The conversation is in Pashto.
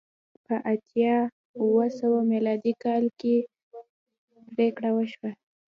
په اتیا اوه سوه میلادي کال کې پرېکړه وشوه